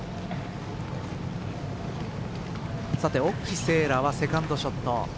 沖せいらはセカンドショット。